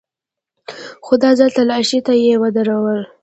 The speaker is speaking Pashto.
خو دا ځل چې تلاشۍ ته يې ودرولو.